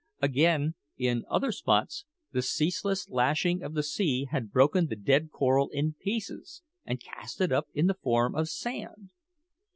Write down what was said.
Again, in other spots the ceaseless lashing of the sea had broken the dead coral in pieces, and cast it up in the form of sand.